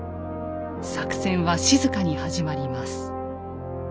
作戦は静かに始まります。